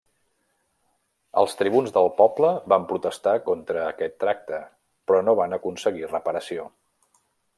Els tribuns del poble van protestar contra aquest tracte però no van aconseguir reparació.